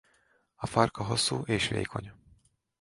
A farka hosszú és vékony.